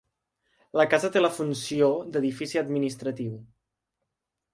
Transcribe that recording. La casa té la funció d'edifici administratiu.